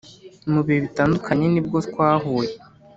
mu bihe bitandukanye nibwo twahuye